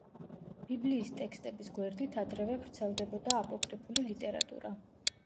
ბიბლიის ტექსტების გვერდით ადრევე ვრცელდებოდა აპოკრიფული ლიტერატურა.